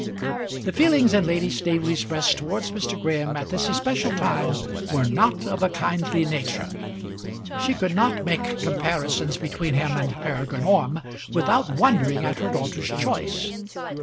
The feelings in Lady Staveley's breast towards Mr. Graham at this especial time were not of a kindly nature. She could not make comparisons between him and Peregrine Orme without wondering at her daughter's choice.